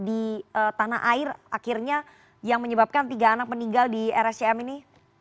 di tanah air akhirnya yang menyebabkan tiga anak meninggal di rscm ini